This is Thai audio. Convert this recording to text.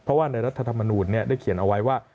เพราะว่าในรัฐธรรมนูลได้เขียนเอาไว้ว่า